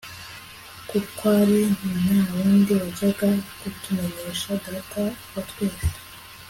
kukw ari nta wundi wajyaga kutumenyesha Data wa Twese